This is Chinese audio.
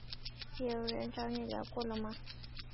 有人找你聊过了吗？